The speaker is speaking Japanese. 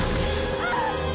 あっ！